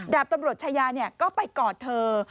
ดาบตำรวจชายาก็ไปกอดเธอ